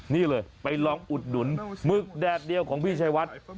นี่เลยไปลองอุดหนุนหมึกแดดเดียวของพี่ชายวัด